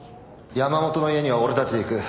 山本の家には俺たちで行く。